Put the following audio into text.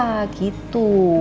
jadi dewasa gitu